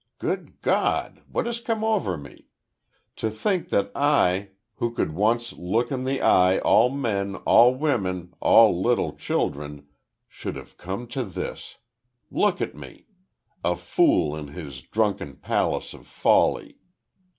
Good God! What has come over me! To think that I, who could once look in the eye all men, all women, all little children, should have come to this. Look at me! A fool in his drunken Palace of Folly!